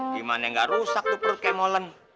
gimana yang gak rusak tuh perut kayak molen